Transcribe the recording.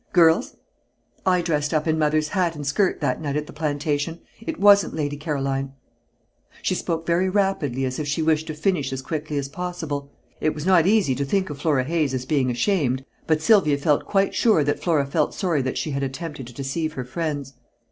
"Girls! I dressed up in Mother's hat and skirt, that night at the plantation. It wasn't Lady Caroline." She spoke very rapidly as if she wished to finish as quickly as possible. It was not easy to think of Flora Hayes as being ashamed, but Sylvia felt quite sure that Flora felt sorry that she had attempted to deceive her friends.